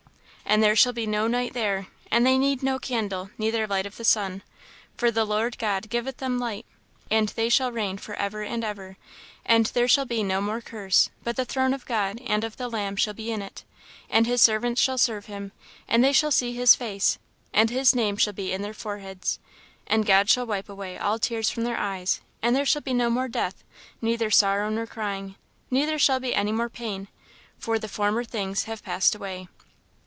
"And there shall be no night there; and they need no candle, neither light of the sun; for the Lord God giveth them light: and they shall reign for ever and ever. And there shall be no more curse, but the throne of God and of the Lamb shall be in it; and his servants shall serve him; and they shall see his face; and his name shall be in their foreheads. And God shall wipe away all tears from their eyes; and there shall be no more death, neither sorrow nor crying, neither shall there be any more pain: for the former things have passed away."